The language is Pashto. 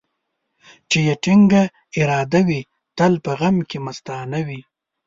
چي يې ټينگه اراده وي ، تل په غم کې مستانه وي.